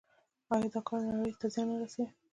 آیا دا کار نړۍ ته زیان نه رسوي؟